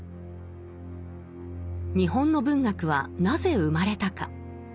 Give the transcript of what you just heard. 日本の文学はなぜ生まれたか？